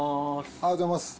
おはようございます。